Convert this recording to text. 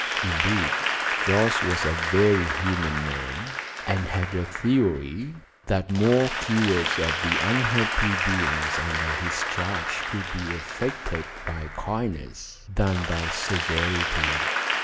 Indeed, Jorce was a very humane man, and had a theory that more cures of the unhappy beings under his charge could be effected by kindness than by severity.